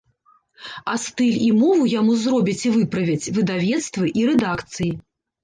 А стыль і мову яму зробяць і выправяць выдавецтвы і рэдакцыі.